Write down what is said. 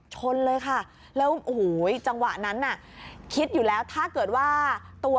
ชนเลยค่ะจังหวะนั้นอะคิดอยู่แล้วถ้าเกิดว่า